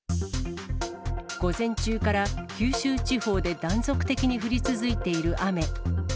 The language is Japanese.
午前中から九州地方で断続的に降り続いている雨。